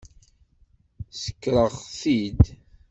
Sskreɣ-t-id.